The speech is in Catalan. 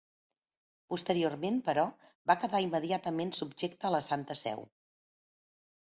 Posteriorment, però, va quedar immediatament subjecta a la Santa Seu.